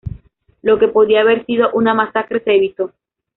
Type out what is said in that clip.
Lo que podía haber sido una masacre se evitó.